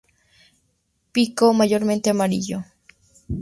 Pico mayormente amarillo.